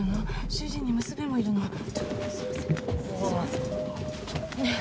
主人に娘もいるのちょっとすいませんすいませんねえ